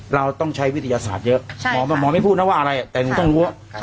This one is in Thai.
เราต้องใช้วิทยาศาสตร์เยอะหมอไม่พูดนะว่าอะไรแต่หนูต้องรู้